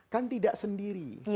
kan tidak sendiri